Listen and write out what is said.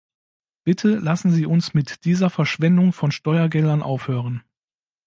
Bitte lassen Sie uns mit dieser Verschwendung von Steuergeldern aufhören.